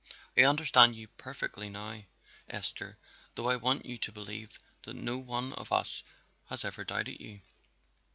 "I understand you perfectly now, Esther, though I want you to believe that no one of us has ever doubted you.